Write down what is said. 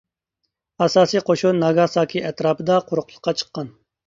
ئاساسىي قوشۇن ناگاساكى ئەتراپىدا قۇرۇقلۇققا چىققان.